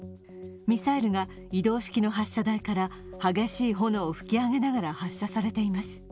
ミサイルが移動式の発射台から激しい炎を噴き上げながら発射されています。